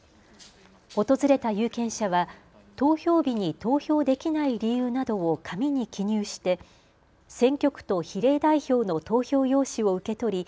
訪れた有権者は投票日に投票できない理由などを紙に記入して選挙区と比例代表の投票用紙を受け取り